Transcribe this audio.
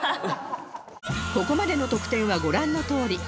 ここまでの得点はご覧のとおり